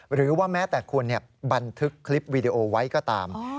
หรือว่าแม้แต่คุณบันทึกคลิปวีดีโอไว้ก็ตาม